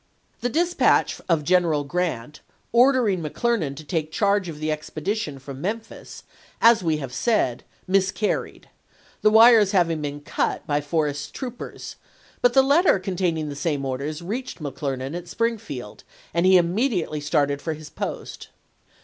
The dispatch of General Grant, ordering Mc Clernand to take charge of the expedition from Memphis, as we have said, miscarried, the wires having been cut by Forrest's troopers, but the letter containing the same orders reached McCler nand at Springfield, and he immediately started for his post.